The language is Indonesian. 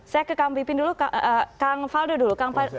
saya ke kang pipin dulu kang faldo dulu